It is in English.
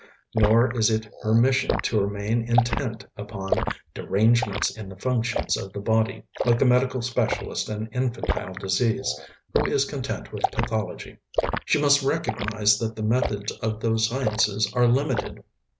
Nor is it her mission to remain intent upon "derangements in the functions of the body," like the medical specialist in infantile disease, who is content with pathology. She must recognize that the methods of those sciences are limited.